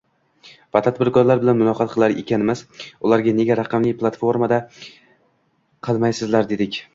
va tadbirkorlar bilan muloqot qilar ekanmiz, ularga: “nega raqamli platforma qilmaysizlar dedik.